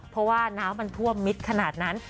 เพราะว่าน้ำมันท่วมมิดขนาดนั้น